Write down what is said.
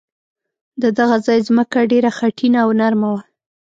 د دغه ځای ځمکه ډېره خټینه او نرمه وه.